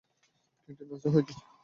ক্যান্টিনে আছে হয়ত।